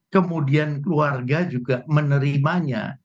kemudian keluarga juga menerimanya